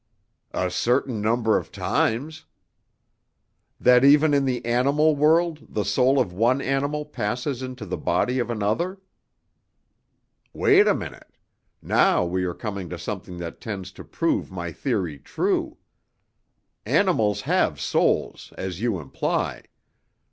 "A certain number of times." "That even in the animal world the soul of one animal passes into the body of another?" "Wait a minute. Now we are coming to something that tends to prove my theory true. Animals have souls, as you imply.